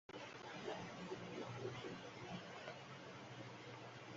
তখন থেকেই ভবনটি সভাপতির বাড়ি হিসেবে ব্যবহার হয়ে আসছে।